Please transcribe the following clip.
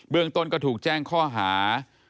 เมืองต้นก็ถูกแจ้งข้อหา